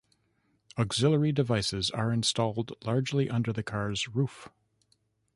Auxiliary devices are installed largely under the car's roof.